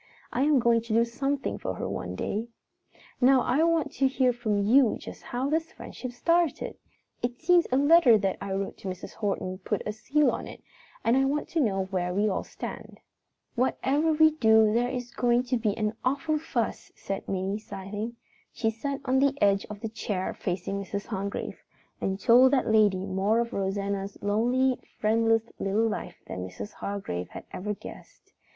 I am going to do something for her some day. "Now I want to hear from you just how this friendship started. It seems a letter that I wrote to Mrs. Horton put the seal on it and I want to know where we all stand." "Whatever we do there is going to be an awful fuss," said Minnie, sighing. She sat on the edge of the chair facing Mrs. Hargrave and told that lady more of Rosanna's lonely, friendless little life than Mrs. Hargrave had ever guessed.